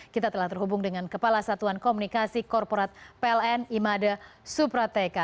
kita telah terhubung dengan kepala satuan komunikasi korporat pln imade suprateka